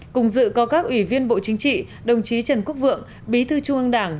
cùng dự có các ủy viên bộ chính trị đồng chí trần quốc vượng bí thư trung ương đảng